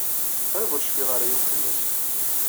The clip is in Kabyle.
Qrib ur cfiɣ ara akk fell-as.